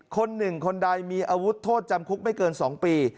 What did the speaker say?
คนหนึ่งคนใดมีอาวุธโทษจำคุกไม่เกิน๒ปี